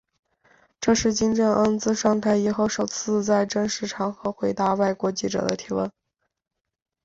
这是金正恩自上台以后首次在正式场合回答外国记者的提问。